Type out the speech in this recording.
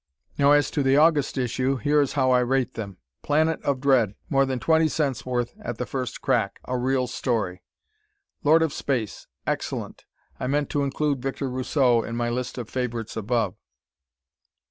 Now as to the August issue, here is how I rate them: "Planet of Dread" more than 20c. worth at the first crack. A real story. "Lord of Space" excellent. I meant to include Victor Rousseau in my list of favorites above.